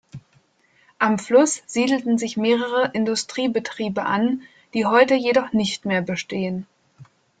Am Fluss siedelten sich mehrere Industriebetriebe an, die heute jedoch nicht mehr bestehen.